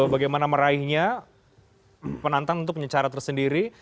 bagaimana meraihnya penantang untuk penyecara tersendiri